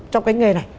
trong cái nghề này